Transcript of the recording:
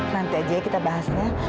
nanti aja kita bahasnya